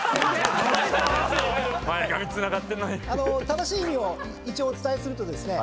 正しい意味を一応お伝えするとですね